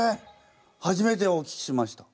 初めてお聞きしました。